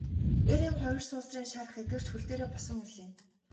Эр эм хоёр суусрын шарх эдгэрч хөл дээрээ босон ирлээ.